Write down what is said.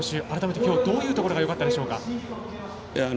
改めて、きょうどういうところがよかったでしょうか？